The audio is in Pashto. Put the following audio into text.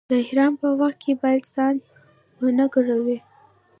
د احرام په وخت کې باید ځان و نه ګروئ.